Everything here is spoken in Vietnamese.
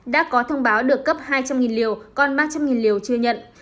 đã có thông báo được cấp hai trăm linh liều còn ba trăm linh liều chưa nhận